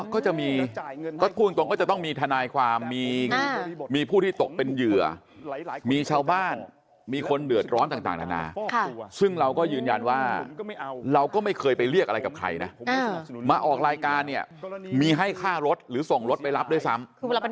ก็จะมีก็พูดตรงก็จะต้องมีทนายความมีผู้ที่ตกเป็นเหยื่อมีชาวบ้านมีคนเดือดร้อนต่างนานาซึ่งเราก็ยืนยันว่าเราก็ไม่เคยไปเรียกอะไรกับใครนะมาออกรายการเนี่ยมีให้ค่ารถหรือส่งรถไปรับด้วยซ้ำ